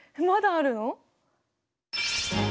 まだあるの？